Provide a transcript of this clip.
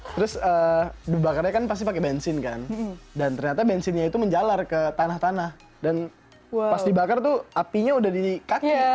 terus dibakarnya kan pasti pakai bensin kan dan ternyata bensinnya itu menjalar ke tanah tanah dan pas dibakar tuh apinya udah di kaki